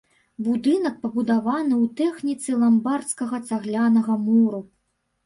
Будынак пабудавана ў тэхніцы ламбардскага цаглянага муру.